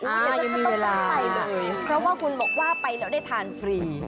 อ้าวยังมีเวลาเพราะว่าคุณบอกว่าไปแล้วได้ทานฟรี